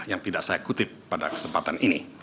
yang tidak saya kutip pada kesempatan ini